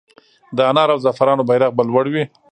د انار او زعفرانو بیرغ به لوړ وي؟